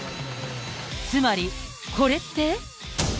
つまり、これって？